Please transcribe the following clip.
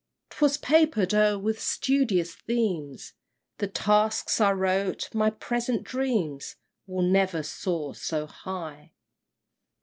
'Twas paper'd o'er with studious themes, The tasks I wrote my present dreams Will never soar so high!